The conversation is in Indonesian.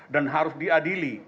dan harus diadili